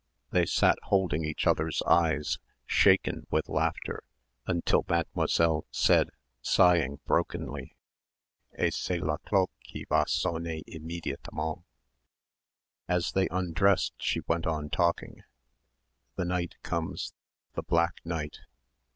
They sat holding each other's eyes, shaken with laughter, until Mademoiselle said, sighing brokenly, "Et c'est la cloche qui va sonner immédiatement." As they undressed, she went on talking "the night comes ... the black night